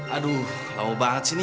aduh lama banget sih nih